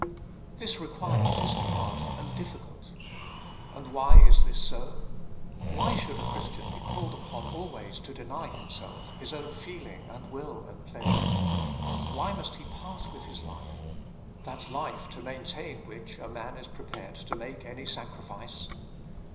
This requirement is hard and difficult. And why is this so ? Why should a Christian be called upon always to deny himself, his own feeling, and will, and pleasure ? Why must he part with his life that life to maintain which a man is prepared to make any sacrifice